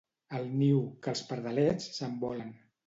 Al niu, que els pardalets s'envolen.